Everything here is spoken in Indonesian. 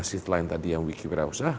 ini kan kita menjadi chairnya d weerusnya php